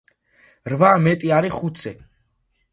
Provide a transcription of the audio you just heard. რვა მეტი არის ხუთზე.